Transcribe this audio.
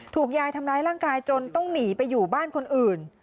ยายทำร้ายร่างกายจนต้องหนีไปอยู่บ้านคนอื่น